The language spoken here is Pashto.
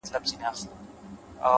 وخت د انتظار نه کوي.